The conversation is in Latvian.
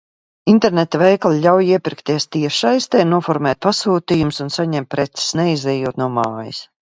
Interneta veikali ļauj iepirkties tiešsaistē, noformēt pasūtījumus un saņemt preces, neizejot no mājas.